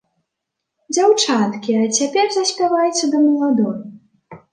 Дзяўчаткі, а цяпер заспявайце да маладой.